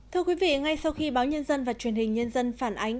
thưa quý vị ngay sau khi báo nhân dân và truyền hình nhân dân phản ánh